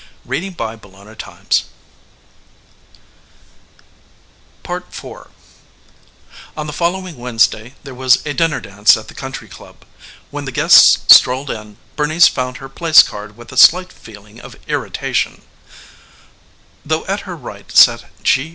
Bernice collapsed backward upon the bed. IV On the following Wednesday evening there was a dinner dance at the country club. When the guests strolled in Bernice found her place card with a slight feeling of irritation. Though at her right sat G.